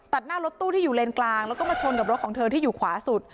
ตัดหน้ารถตู้ที่อยู่เลนกลางแล้วก็มาชนกับรถของเธอที่อยู่ขวาสุด